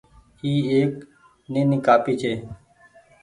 اي ايڪ نيني ڪآپي ڇي۔